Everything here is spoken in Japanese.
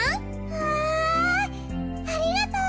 うわぁありがとう！